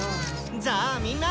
じゃあみんな！